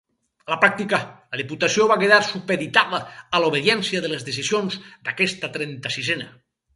A la pràctica, la Diputació va quedar supeditada a l'obediència de les decisions d'aquesta trenta-sisena.